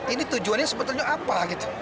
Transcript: ini tujuannya sebetulnya apa